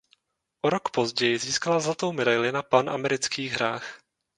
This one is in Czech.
O rok později získala zlatou medaili na Panamerických hrách.